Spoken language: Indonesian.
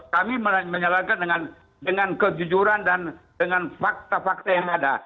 kami menyalahkan dengan kejujuran dan dengan fakta fakta yang ada